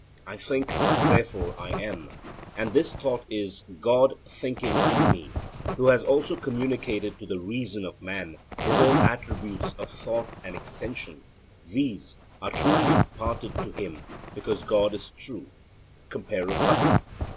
'I think, therefore I am;' and this thought is God thinking in me, who has also communicated to the reason of man his own attributes of thought and extension these are truly imparted to him because God is true (compare Republic).